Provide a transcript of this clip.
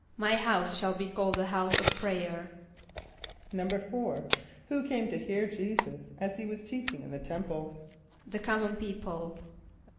="My house shall be called a house of prayer."= =4.= Who came to hear J[=e]´[s+]us as he was teaching in the temple? =The common people.